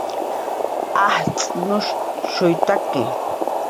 ajtz'shuynushtaki